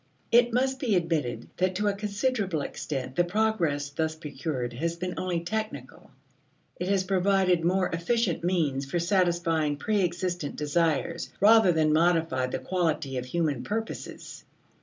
It must be admitted that to a considerable extent the progress thus procured has been only technical: it has provided more efficient means for satisfying preexistent desires, rather than modified the quality of human purposes.